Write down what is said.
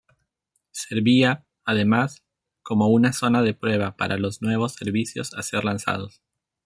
Servía, además, como una zona de prueba para los nuevos servicios a ser lanzados.